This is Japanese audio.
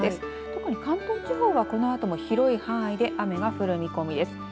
特に関東地方はこのあとも広い範囲で雨が降る見込みです。